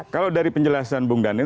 kalau dari penjelasan bung daniel